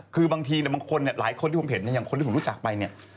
คือบางทีแต่บางคนหลายคนที่ผมเห็นหรือทุกคนที่ถูกรู้จักไป